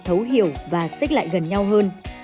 thấu hiểu và xích lại gần nhau hơn